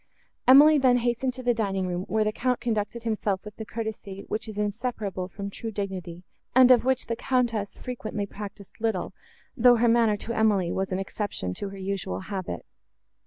Emily then hastened to the dining room, where the Count conducted himself with the courtesy, which is inseparable from true dignity, and of which the Countess frequently practised little, though her manner to Emily was an exception to her usual habit.